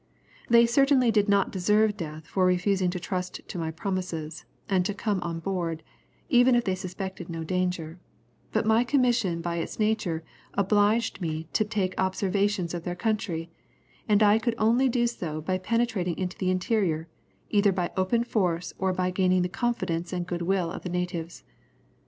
They certainly did not deserve death for refusing to trust to my promises, and to come on board, even if they suspected no danger; but my commission by its nature obliged me to take observations of their country, and I could only do so by penetrating into the interior, either by open force or by gaining the confidence and good will of the natives.